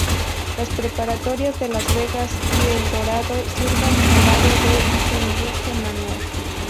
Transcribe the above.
Las preparatorias de Las Vegas y Eldorado sirven al área de Sunrise Manor.